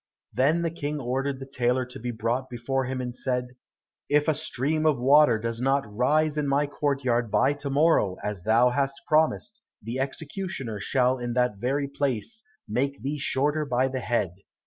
Then the King ordered the tailor to be brought before him and said, "If a stream of water does not rise in my court yard by to morrow as thou hast promised, the executioner shall in that very place make thee shorter by the head."